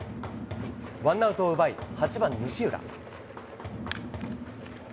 ワンアウトを奪い８番、西浦。